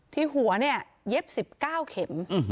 ที่หัวเนี่ยเย็บ๑๙เข็ม